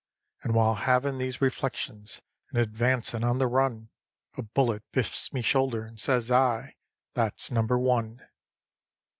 And while havin' these reflections and advancin' on the run, A bullet biffs me shoulder, and says I: "That's number one."